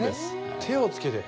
手をつけて。